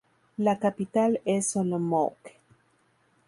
La capital es Olomouc.